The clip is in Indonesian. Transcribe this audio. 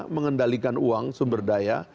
mengendalikan uang sumber daya